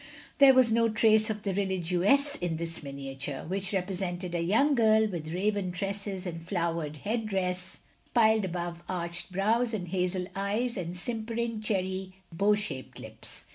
There was no trace of the riligeuse in this miniattire, which represented a young girl, with raven tresses and flowered head dress, piled above arched brows and hazel eyes, and simpering, cherry, bow shaped lips.